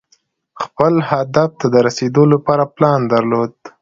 هغه خپل هدف ته د رسېدو لپاره پلان درلود.